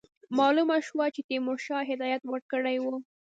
معلومه شوه چې تیمورشاه هدایت ورکړی وو.